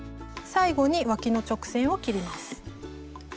最後にわきの直線を切ります。